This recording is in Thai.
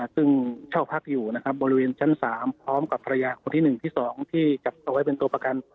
ซึ่งเช่าพักอยู่นะครับบริเวณชั้น๓พร้อมกับภรรยาคนที่๑ที่๒ที่จับตัวไว้เป็นตัวประกัน